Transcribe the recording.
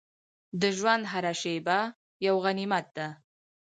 د ژوند هره شېبه یو غنیمت ده.